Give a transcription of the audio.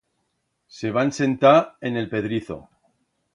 Se van sentar en el pedrizo.